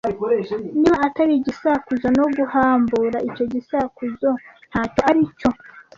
Niba atari igisakuzo no guhambura icyo gisakuzo ntacyo aricyo,